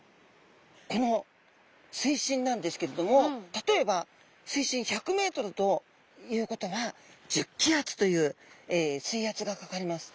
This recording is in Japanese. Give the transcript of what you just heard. この水深なんですけれども例えば水深１００ｍということは１０気圧という水圧がかかります。